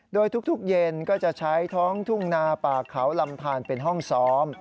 โดยทุกเย็นก็จะใช้ท้องทุ่งนาป่าเขาลำทานเป็นห้องซ้อม